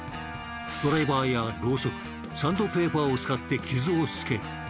ドライバーやローソクサンドペーパーを使って傷をつける。